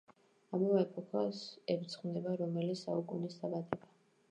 ამავე ეპოქას ეძღვნება რომანი „საუკუნის დაბადება“.